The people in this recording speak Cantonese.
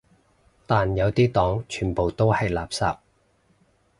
但有啲黨全部都係垃圾